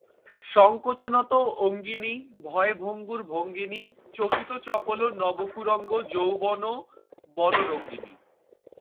সংকোচনত-অঙ্গিণী, ভয়ভঙ্গুরভঙ্গিনী, চকিতচপল নবকুরঙ্গ যৌবনবনরঙ্গিণী।